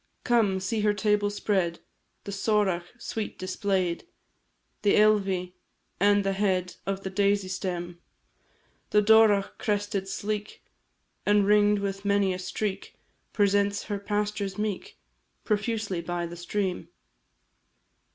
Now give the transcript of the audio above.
Come, see her table spread; The sorach sweet display'd The ealvi, and the head Of the daisy stem; The dorach crested, sleek, And ringed with many a streak, Presents her pastures meek, Profusely by the stream.